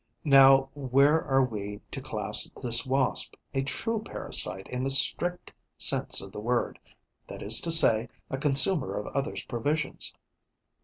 Now where are we to class this Wasp, a true parasite in the strict sense of the word, that is to say, a consumer of others' provisions.